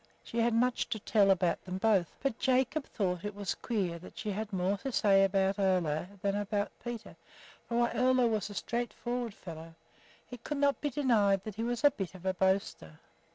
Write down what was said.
She had much to tell about them both, but Jacob thought it was queer that she had more to say about Ole than about Peter; for while Ole was a straight forward fellow, it could not be denied that he was a bit of a boaster.